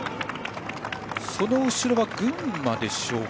その後ろが群馬でしょうか。